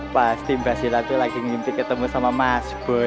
pasti mbak silla tuh lagi minta ketemu sama masboy